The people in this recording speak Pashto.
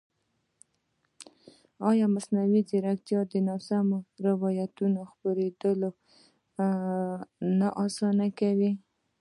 ایا مصنوعي ځیرکتیا د ناسمو روایتونو خپرېدل نه اسانه کوي؟